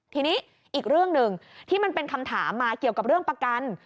ทีนี้อีกเรื่องหนึ่งที่มันเป็นคำถามมาเกี่ยวกับเรื่องประกัน